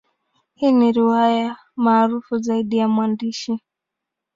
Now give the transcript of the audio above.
Hii ni riwaya maarufu zaidi ya mwandishi.